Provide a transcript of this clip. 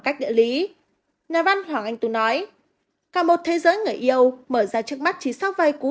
cách địa lý nhà văn hoàng anh tú nói cả một thế giới người yêu mở ra trước mắt chỉ số vai cú